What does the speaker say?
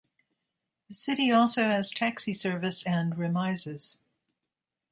The city also has taxi service and remises.